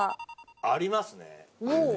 ありますね。